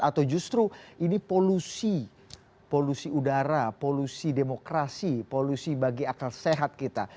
atau justru ini polusi polusi udara polusi demokrasi polusi bagi akal sehat kita